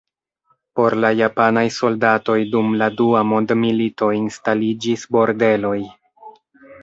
Por la japanaj soldatoj dum la dua mondmilito instaliĝis bordeloj.